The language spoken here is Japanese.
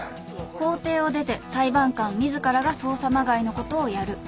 ［法廷を出て裁判官自らが捜査まがいのことをやる］